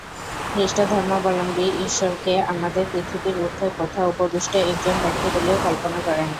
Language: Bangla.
খ্রীষ্টধর্মাবলম্বী ঈশ্বরকে আমাদের পৃথিবীর ঊর্ধ্বে কোথাও উপবিষ্ট একজন ব্যক্তি বলিয়া কল্পনা করেন।